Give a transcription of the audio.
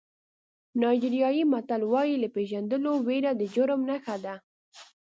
نایجیریایي متل وایي له پېژندلو وېره د جرم نښه ده.